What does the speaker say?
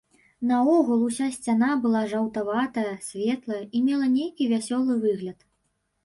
Наогул уся сцяна была жаўтаватая, светлая і мела нейкі вясёлы выгляд.